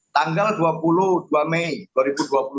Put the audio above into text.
tanggal dua puluh dua mei dua ribu dua puluh